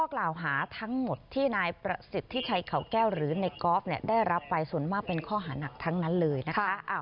กล่าวหาทั้งหมดที่นายประสิทธิชัยเขาแก้วหรือในกอล์ฟได้รับไปส่วนมากเป็นข้อหานักทั้งนั้นเลยนะคะ